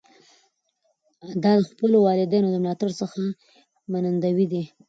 ده د خپلو والدینو د ملاتړ څخه منندوی دی.